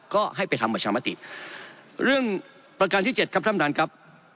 ก็ให้ไปทำประชามติเรื่องประการที่เจ็ดครับท่านประธานครับ